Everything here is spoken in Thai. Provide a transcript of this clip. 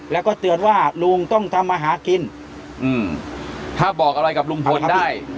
แล้วก็เตือนว่าลุงต้องทำมาหากินอืมถ้าบอกอะไรกับลุงพลได้